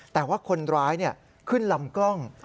แต่ว่าคนร้ายขึ้นลำกล้อง